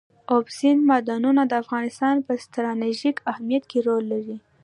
اوبزین معدنونه د افغانستان په ستراتیژیک اهمیت کې رول لري.